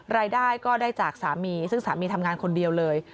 รายได้ก็ได้จากสามีซึ่งสามีทำงานคนเดียวเลย